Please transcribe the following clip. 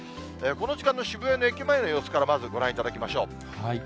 この時間の渋谷の駅前の様子からまずご覧いただきましょう。